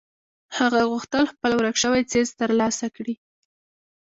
هغه غوښتل خپل ورک شوی څيز تر لاسه کړي.